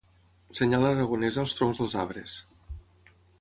Senyal aragonesa als troncs dels arbres.